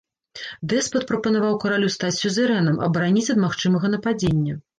Дэспат прапанаваў каралю стаць сюзерэнам, абараніць ад магчымага нападзення.